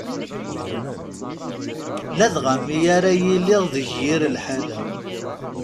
Ladɣa mi ara yiliɣ deg yir lḥala.